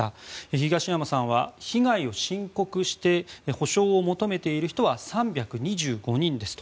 東山さんは被害を申告して補償を求めている人は３２５人ですと。